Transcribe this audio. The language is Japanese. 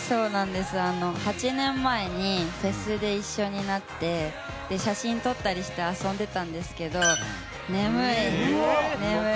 ８年前にフェスで一緒になって写真撮ったりして遊んでたんですけど。